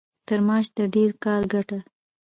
تر معاش د ډېر کار ګټه.